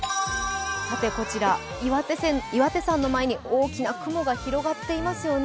こちら、岩手山の前に大きな雲が広がっていますよね。